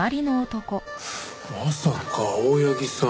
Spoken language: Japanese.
まさか青柳さん